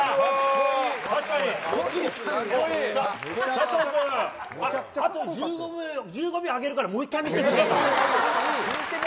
佐藤君、あと１５秒あげるからもう１回、見せてくれる？